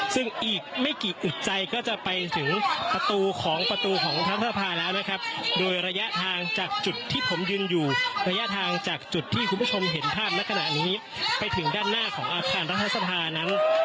ซึ่งอีกไม่กี่อึดใจก็จะไปถึงประตูของประตูของพระภาแล้วนะครับโดยระยะทางจากจุดที่ผมยืนอยู่ระยะทางจากจุดที่คุณผู้ชมเห็นภาพณขณะนี้ไปถึงด้านหน้าของอาคารรัฐสภานั้น